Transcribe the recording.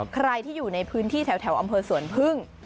ใครที่อยู่ในพื้นที่แถวอำเภอสวนพึ่ง